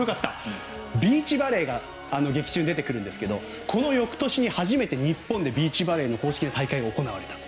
ビーチバレーが劇中で出てくるんですがこの翌年に日本で初めてビーチバレーの公式な試合が開催された。